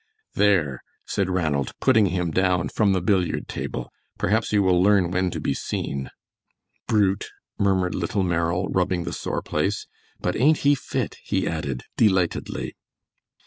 "There," said Ranald, putting him down from the billiard table, "perhaps you will learn when to be seen." "Brute," murmured little Merrill, rubbing the sore place; "but ain't he fit?" he added, delightedly.